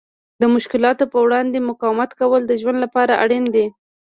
د مشکلاتو په وړاندې مقاومت کول د ژوند لپاره اړین دي.